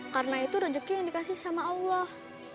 karena itu rezeki yang dikasih sama allah